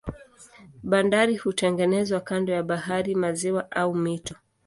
Bandari hutengenezwa kando ya bahari, maziwa au mito.